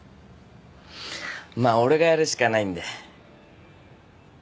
まあ俺がやるしかないんで。